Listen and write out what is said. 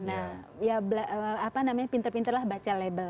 nah ya apa namanya pinter pinter lah baca label